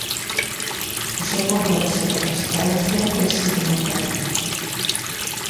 O seu compromiso coa transparencia ten sido moi cativo.